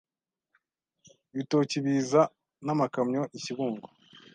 Ibitoki biza n'amakamyo i Kibungo